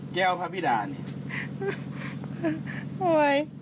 แก้วพระพิดานี่